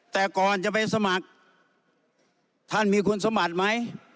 แต่ก่อนจะไปสมัครท่านมีคุณสมบัติไหม